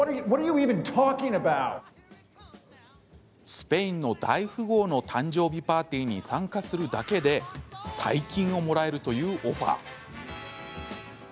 スペインの大富豪の誕生日パーティーに参加するだけで大金をもらえるというオファー。